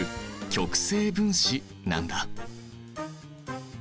極性分子なんだ。